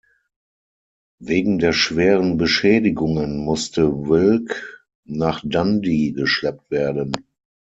Wegen der schweren Beschädigungen musste "Wilk" nach Dundee geschleppt werden.